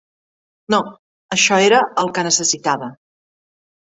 No, això era el que necessitava.